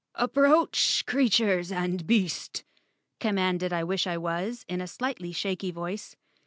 "Approach, creatures and beast," commanded I wish I was in a slightly shaky voice.